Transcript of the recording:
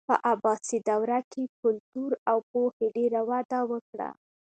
په عباسي دوره کې کلتور او پوهې ډېره وده وکړه.